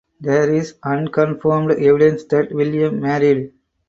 There is unconfirmed evidence that William married.